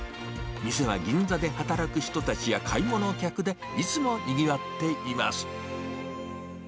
店は銀座で働く人たちや買い物客でいつもにぎわっています。